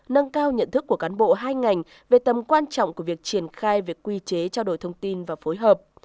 nâng cao nhận thức của cán bộ hai ngành về tầm quan trọng của việc triển khai về quy chế trao đổi thông tin và phối hợp